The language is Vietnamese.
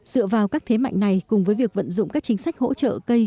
dựa vào các thế mạnh này cùng với việc vận dụng các chính sách hỗ trợ cây